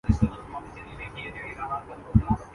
ایسی صورتحال دیر تک نہیں رہ سکتی۔